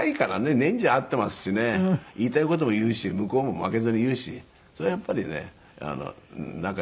年中会っていますしね言いたい事も言うし向こうも負けずに言うしそりゃやっぱりね仲いいですよ。